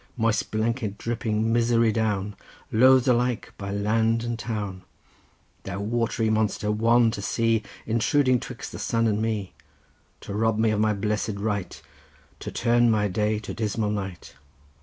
Moist blanket dripping misery down, Loathed alike by land and town! Thou watery monster, wan to see, Intruding 'twixt the sun and me, To rob me of my blessed right, To turn my day to dismal night.